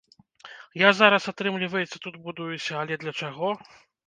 Я зараз, атрымліваецца, тут будуюся, але для чаго?